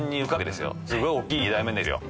すごいおっきい二代目ですよ。